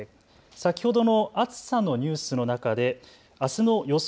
先ほどの暑さのニュースの中であすの予想